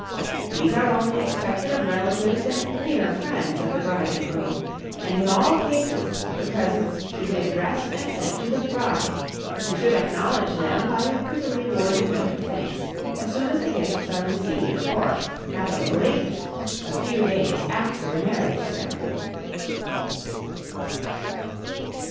These are only expected of relatives and near friends of the bride and groom, and in all cases the presents should be addressed and sent to the bride, who should acknowledge them by a prettily worded note of thanks as soon as the gifts are received or, at the latest, a few days after the marriage ceremony.